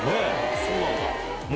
そうなんだ。